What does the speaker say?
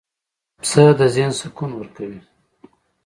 پسه د ذهن سکون ورکوي.